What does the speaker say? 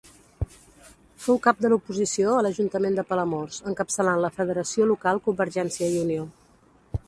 Fou cap de l'oposició a l'ajuntament de Palamós, encapçalant la federació local Convergència i Unió.